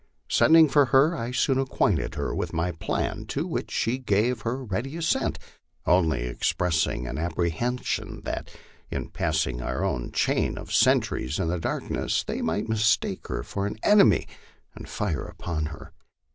Sending for her, I soon acquainted her with my plan, to which she gave her ready assent, only expressing an apprehension that in passing our own chain of sentries in the darkness, they might mistake her for an enemy and fire upon her.